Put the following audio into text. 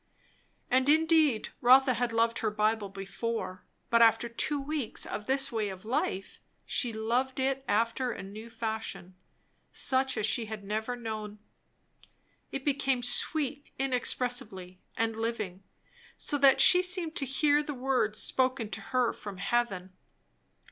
And indeed Rotha had loved her Bible before; but after two weeks of this way of life she loved it after a new fashion, such as she had never known. It became sweet inexpressibly, and living; so that she seemed to hear the words spoken to her from heaven.